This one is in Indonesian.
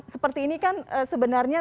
seperti ini kan sebenarnya